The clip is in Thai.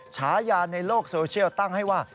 ฉายาในโลกโซเชียลตั้งให้ว่า